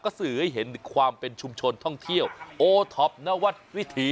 ก็สื่อให้เห็นความเป็นชุมชนท่องเที่ยวโอท็อปนวัดวิถี